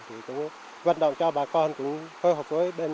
thì cũng vận động cho bà con cũng phối hợp với bên